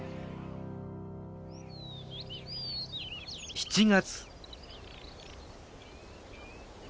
７月。